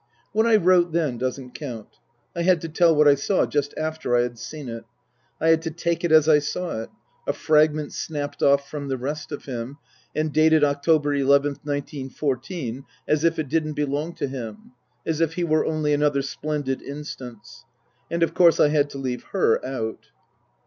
What I wrote then doesn't count. I had to tell what I saw just after I had seen it. I had to take it as I saw it, a fragment snapped off from the rest of him, and dated October nth, 1914, as if it didn't belong to him ; as if he were only another splendid instance. And of course I had to leave her out.